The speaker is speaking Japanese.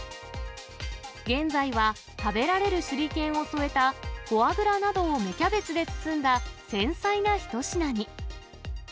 現在は食べられる手裏剣を添えた、フォアグラなどを芽キャベツで包んだ繊細な一品に。